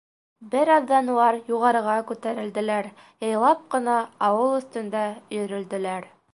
Бер аҙҙан улар юғарыға күтәрелделәр, яйлап ҡына ауыл өҫтөндә өйөрөлдөләр.